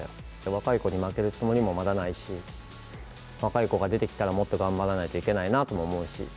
若い子に負けるつもりもまだないし、若い子が出てきたら、もっと頑張らないといけないとも思うし。